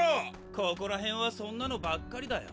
ここら辺はそんなのばっかりだよ。